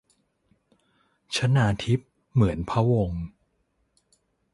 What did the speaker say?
ชนาธิป เหมือนพะวงศ์